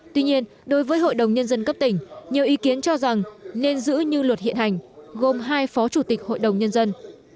tuy nhiên đối với hội đồng nhân dân cấp tỉnh nhiều ý kiến cho rằng nên giữ như luật hiện hành gồm hai phó chủ tịch hội đồng nhân dân